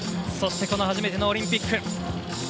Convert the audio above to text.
そして初めてのオリンピック。